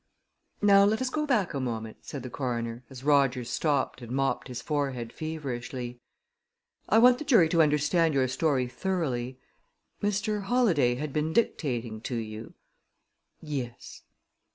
"Now, let us go back a moment," said the coroner, as Rogers stopped and mopped his forehead feverishly. "I want the jury to understand your story thoroughly. Mr. Holladay had been dictating to you?" "Yes."